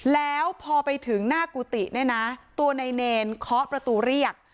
แล้วพอไปถึงหน้ากุฏิเนี่ยนะตัวในเนรเคาะประตูเรียก